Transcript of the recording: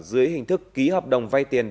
dưới hình thức ký hợp đồng vay tiền